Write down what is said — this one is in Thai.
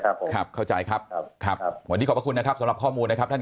ครับครับเข้าใจครับขอบคุณนะครับสำหรับข้อมูลนะครับท่าน